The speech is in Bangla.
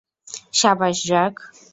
সাবাস, ড্রাক!